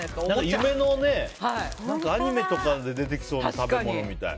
夢のね、アニメとかで出てきそうな食べ物みたい。